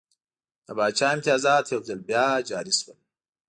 د پاچا امتیازات یو ځل بیا جاري شول.